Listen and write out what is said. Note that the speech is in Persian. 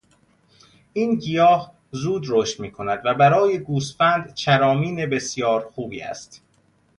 این گیاه زود رشد میکند و برای گوسفند چرامین بسیار خوبی است.